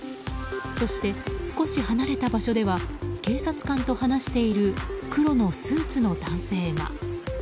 そして、少し離れた場所では警察官と話している黒のスーツの男性が。